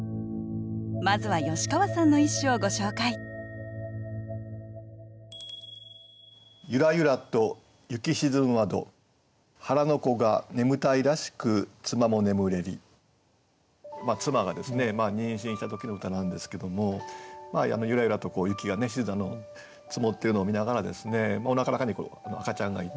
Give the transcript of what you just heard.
まずは吉川さんの一首をご紹介妻が妊娠した時の歌なんですけどもゆらゆらと雪が積もってるのを見ながらですねおなかの中に赤ちゃんがいて。